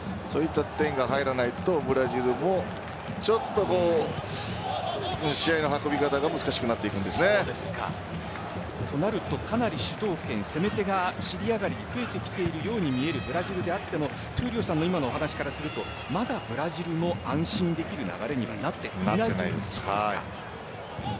点が入らないとブラジルもちょっと試合の運び方がとなるとかなり、主導権攻め手がエリア外に増えてきているように見えるブラジルではあるけど闘莉王さんの今の話からするとまだブラジルの安心できる流れにはなっていないということですか。